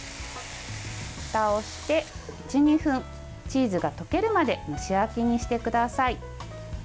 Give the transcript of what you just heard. ふたをして１２分チーズが溶けるまで蒸し焼きにしてください。